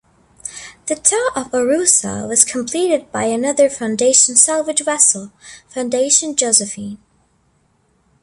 The tow of "Arosa" was completed by another Foundation salvage vessel, "Foundation Josephine".